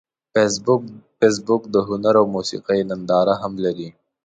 فېسبوک د هنر او موسیقۍ ننداره هم لري